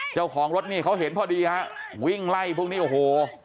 เจ้าของรถนี่เขาเห็นพอดีฮะวิ่งไล่พวกนี้โอ้โห